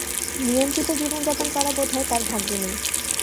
নিয়ন্ত্রিত জীবনযাপন করা বোধহয় তাঁর ভাগ্যে নেই।